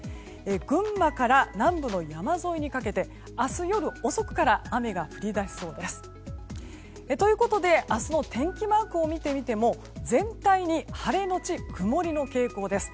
群馬から南部の山沿いにかけて明日夜遅くから雨が降り出しそうです。ということで、明日の天気マークを見てみても全体に晴れのち曇りの傾向です。